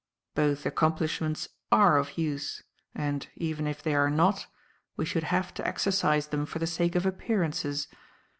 "Both accomplishments are of use, and, even if they are not, we should have to exercise them for the sake of appearances.